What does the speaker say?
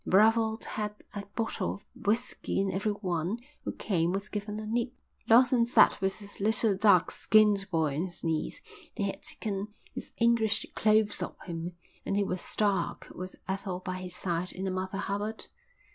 Brevald had a bottle of whisky and everyone who came was given a nip. Lawson sat with his little dark skinned boy on his knees, they had taken his English clothes off him and he was stark, with Ethel by his side in a Mother Hubbard.